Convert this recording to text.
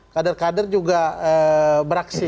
kader kader juga beraksi